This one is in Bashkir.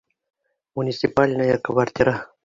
Муниципальная квартира